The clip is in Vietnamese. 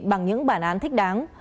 bằng những bản án thích đáng